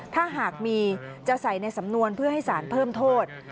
ถ้าหากมีจะใส่ในสำนวนเพื่อให้สารเพิ่มโทษ